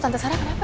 tante sara mengapa